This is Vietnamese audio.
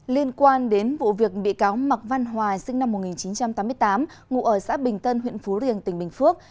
liên quan đến vụ việc bị cáo mạc văn hòa sinh năm một nghìn chín trăm tám mươi tám ngụ ở xã bình tân huyện phú riềng tỉnh bình phước